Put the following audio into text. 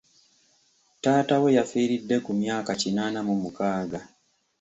Taata we yafiiridde ku myaka kinaana mu mukaaga.